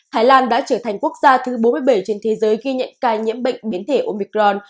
thái lan đã trở thành quốc gia thứ bốn mươi bảy trên thế giới ghi nhận ca nhiễm bệnh biến thể omicron